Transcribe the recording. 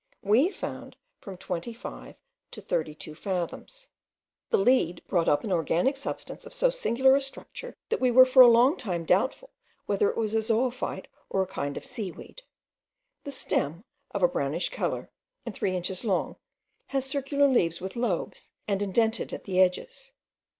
We found from twenty five to thirty two fathoms. The lead brought up an organic substance of so singular a structure that we were for a long time doubtful whether it was a zoophyte or a kind of seaweed. The stem, of a brownish colour and three inches long, has circular leaves with lobes, and indented at the edges.